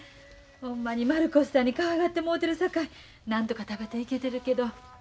ほんまに丸越さんにかわいがってもうてるさかいなんとか食べていけてるけど。